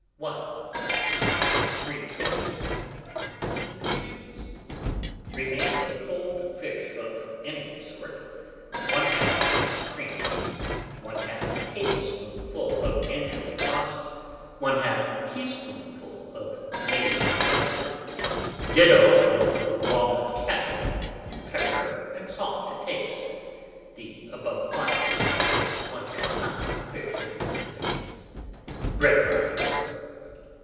I. 350. INGREDIENTS. Remains of cold fish of any sort, 1/2 pint of cream, 1/2 tablespoonful of anchovy sauce, 1/2 teaspoonful of made mustard, ditto of walnut ketchup, pepper and salt to taste (the above quantities are for 1/2 lb. of fish when picked); bread crumbs.